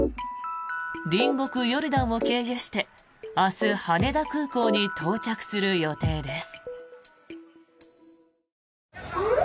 隣国ヨルダンを経由して明日、羽田空港に到着する予定です。